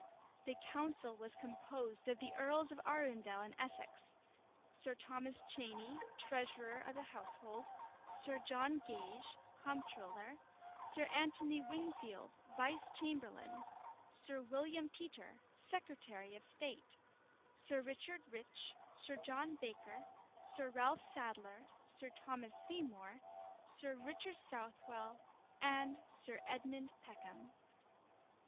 The council was composed of the earls of Arundel and Essex; Sir Thomas Cheney, treasurer of the household; Sir John Gage, comptroller; Sir Anthony Wingfield, vice chamberlain; Sir William Petre, secretary of state; Sir Richard Rich, Sir John Baker, Sir Ralph Sadler Sir Thomas Seymour, Sir Richard Southwell, and Sir Edmund Peckham.